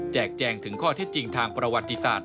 แจงถึงข้อเท็จจริงทางประวัติศาสต